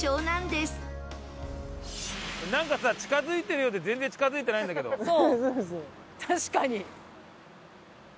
なんかさ近付いてるようで全然近付いてないんだけど。